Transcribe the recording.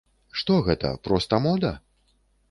Што гэта, проста мода?